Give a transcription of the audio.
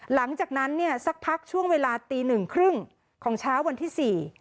หลังจากนั้นสักพักช่วงเวลาตี๑๓๐ของเช้าวันที่๔